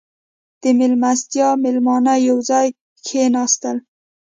• د میلمستیا مېلمانه یو ځای کښېناستل.